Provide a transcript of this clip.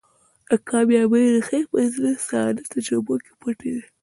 د کاميابۍ ريښې په ځينو ساده تجربو کې پټې دي.